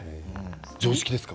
常識ですか？